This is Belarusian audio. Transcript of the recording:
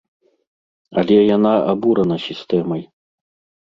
Але яна абурана сістэмай.